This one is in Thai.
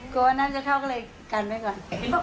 ว่าน่าจะเข้าก็เลยกันไว้ก่อน